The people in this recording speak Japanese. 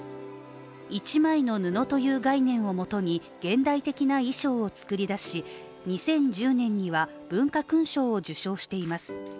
一枚の布という概念をもとに現代的な衣装を作り出し、２０１０年には文化勲章を受章しています。